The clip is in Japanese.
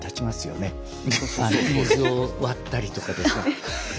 水を割ったりとかで。